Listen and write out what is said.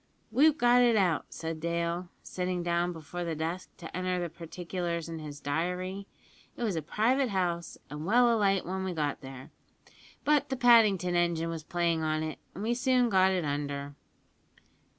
"We've got it out," said Dale, sitting down before the desk to enter the particulars in his diary; "it was a private house, and well alight when we got there, but the Paddington engine was playing on it, and we soon got it under."